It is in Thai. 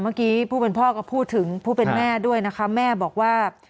ผู้เป็นพ่อก็พูดถึงผู้เป็นแม่ด้วยนะคะแม่บอกว่า